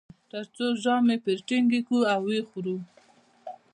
تر څو ژامې پرې ټینګې کړو او و یې خورو.